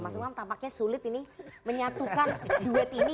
mas umam tampaknya sulit ini menyatukan duet ini